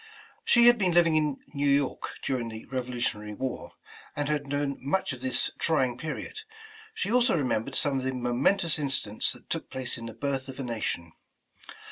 She had been living in New York during the Revolu tionary War, and had known much of this trying period. She also remembered some of the momentous 80 Home and Family incidents that took place in the birth of a nation.